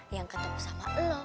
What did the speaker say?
yang ketemu sama lo